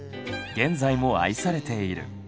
現在も愛されている。